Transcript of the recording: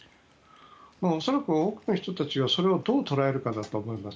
恐らく、多くの人たちがそれをどう捉えるかだと思います。